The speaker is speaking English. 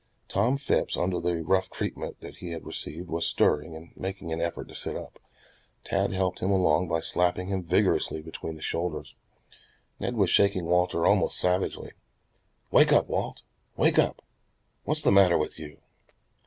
Tom Phipps under the rough treatment that he had received was stirring and making an effort to sit up. Tad helped him along by slapping him vigorously between the shoulders. Ned was shaking Walter almost savagely. "Wake up, Walt! Wake up! What's the matter with you?"